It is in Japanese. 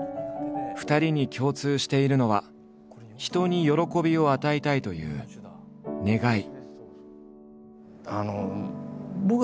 ２人に共通しているのは人に喜びを与えたいという願い。